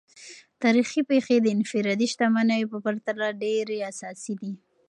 تاریخي پیښې د انفرادي شتمنیو په پرتله ډیر اساسي دي.